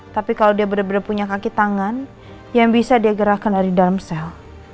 tapi kalo dia bener bener punya kaki tangan yang bisa dia gerahkan dari dalam sel